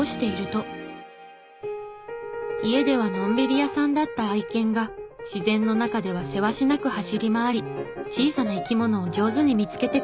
家ではのんびり屋さんだった愛犬が自然の中ではせわしなく走り回り小さな生き物を上手に見つけてくるのでした。